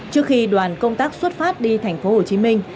trước khi đoàn công tác xuất phát đi thành phố hồ chí minh